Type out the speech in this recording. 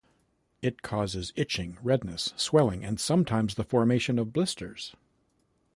It causes itching, redness, swelling, and sometimes the formation of blisters.